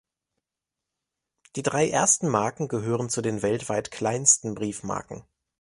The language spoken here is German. Die drei ersten Marken gehören zu den weltweit kleinsten Briefmarken.